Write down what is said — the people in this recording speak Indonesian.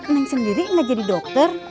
neng sendiri nggak jadi dokter